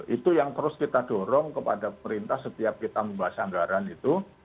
itu yang terus kita dorong kepada perintah setiap kita membahas anggaran itu